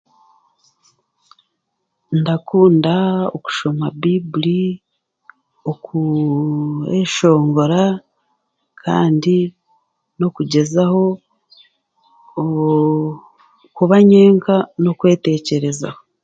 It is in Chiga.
Ndakunda okushoma baiburi, okuu okweshongora, kandi n'okugyezaho kuuu kuba nyenka n'okwetekyerezaho.